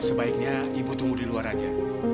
sebaiknya ibu tumbuh di luar aja